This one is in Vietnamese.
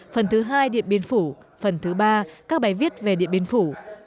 phần thứ hai điện biên phủ phần thứ ba các bài viết về điện biên phủ